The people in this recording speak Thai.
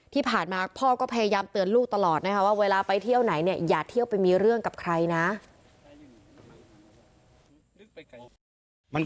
ที่ผ่านมาพ่อก็พยายามเตือนลูกตลอดนะคะว่าเวลาไปเที่ยวไหนเนี่ยอย่าเที่ยวไปมีเรื่องกับใครนะ